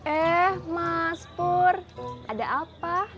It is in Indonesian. eh mas pur ada apa